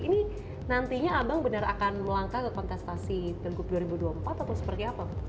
ini nantinya abang benar akan melangkah ke kontestasi pilgub dua ribu dua puluh empat atau seperti apa